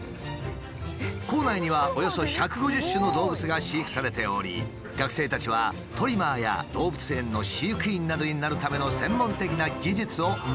校内にはおよそ１５０種の動物が飼育されており学生たちはトリマーや動物園の飼育員などになるための専門的な技術を学んでいる。